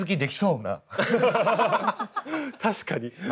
確かに。